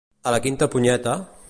A la quinta punyeta?